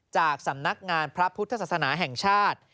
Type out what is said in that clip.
จากสำนักงานพระพุทธศาสนาแห่งชาติ